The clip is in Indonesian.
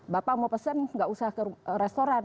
bapak mau pesen nggak usah ke restoran